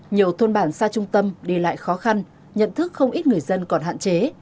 nhiều thôn bản xa trung tâm đi lại khó khăn nhận thức không ít người dân còn hạn chế